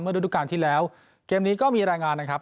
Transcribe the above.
เมื่อดู่ทุกวันที่แล้วเกมนี้ก็มีรายงานนะครับ